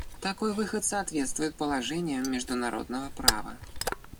Такой выход соответствует положениям международного права.